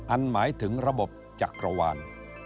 หมายถึงระบบจักรวาล